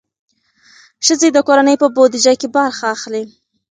ښځې د کورنۍ په بودیجه کې برخه اخلي.